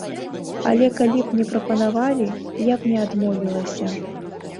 Але калі б мне прапанавалі, я б не адмовілася.